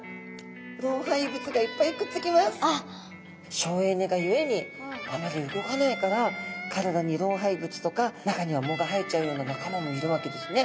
省エネがゆえにあまり動かないから体に老廃物とか中には藻が生えちゃうような仲間もいるわけですね。